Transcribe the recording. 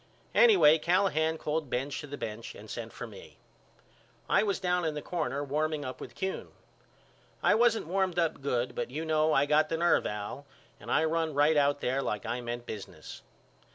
Anyway Callahan called Benz to the bench and sent for me. I was down in the corner warming up with Kuhn. I wasn't warmed up good but you know I got the nerve Al and I run right out there like I meant business.